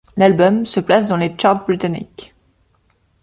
L'album se place dans les charts britanniques.